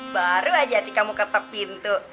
baru aja tika mau ketep pintu